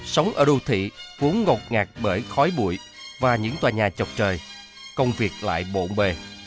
sống ở đô thị vốn ngột ngạc bởi khói bụi và những tòa nhà chọc trời công việc lại bộn bề